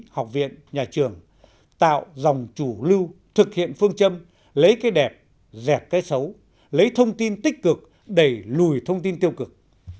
một là tạo dòng chủ lưu thực hiện phương châm lấy cái đẹp dẹp cái xấu lấy thông tin tích cực đẩy lùi thông tin tiêu cực